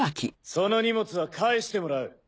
その荷物は返してもらう。